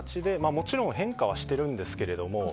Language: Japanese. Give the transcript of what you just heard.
もちろん変化はしているんですけど。